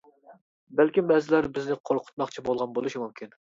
بەلكىم بەزىلەر بىزنى قورقۇتماقچى بولغان بولۇشى مۇمكىن.